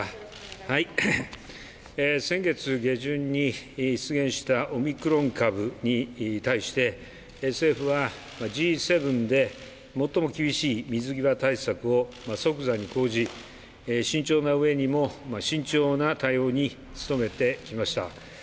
先月下旬に出現したオミクロン株に対して、政府はＧ７で最も厳しい水際対策を即座に講じ慎重な上にも慎重な対応に努めてきました。